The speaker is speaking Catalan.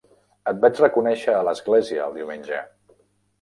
Et vaig reconèixer a l'església el diumenge.